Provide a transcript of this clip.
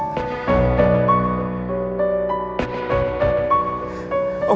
sambil tau apa yang mana